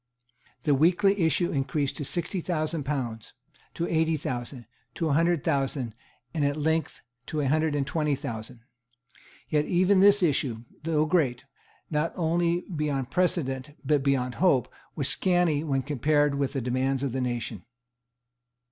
The weekly issue increased to sixty thousand pounds, to eighty thousand, to a hundred thousand, and at length to a hundred and twenty thousand. Yet even this issue, though great, not only beyond precedent, but beyond hope, was scanty when compared with the demands of the nation.